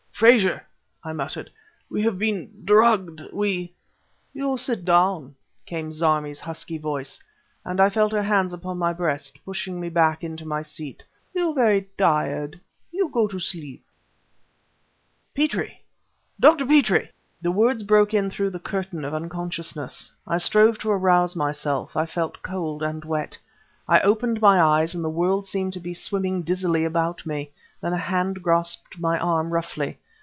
"Frazer!" I muttered "we've been drugged! we ..." "You sit down," came Zarmi's husky voice, and I felt her hands upon my breast, pushing me back into my seat. "You very tired ... you go to sleep...." "Petrie! Dr. Petrie!" The words broke in through the curtain of unconsciousness. I strove to arouse myself. I felt cold and wet. I opened my eyes and the world seemed to be swimming dizzily about me. Then a hand grasped my arm, roughly.